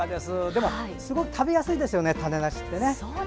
でもすごく食べやすいですよね種なしって。